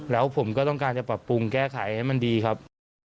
แล้วผมก็ต้องการจะปรับปรุงแก้ไขให้มันดีครับ